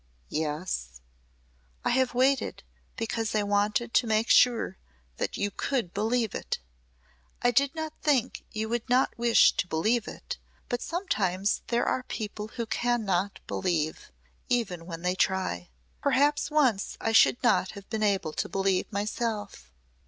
"Yes?" "I have waited because I wanted to make sure that you could believe it. I did not think you would not wish to believe it, but sometimes there are people who cannot believe even when they try. Perhaps once I should not have been able to believe myself.